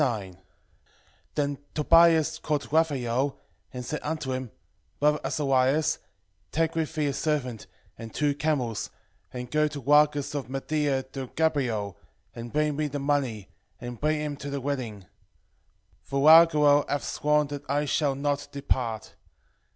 9:1 Then Tobias called Raphael, and said unto him, 9:2 Brother Azarias, take with thee a servant, and two camels, and go to Rages of Media to Gabael, and bring me the money, and bring him to the wedding. 9:3 For Raguel hath sworn that I shall not depart.